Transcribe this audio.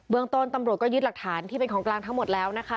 เมืองต้นตำรวจก็ยึดหลักฐานที่เป็นของกลางทั้งหมดแล้วนะคะ